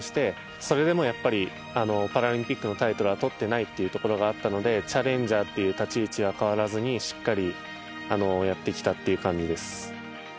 それでも、やっぱりパラリンピックのタイトルはとっていないというところがあったのでチャレンジャーという立ち位置は変わらずにしっかりやってきたという感じです。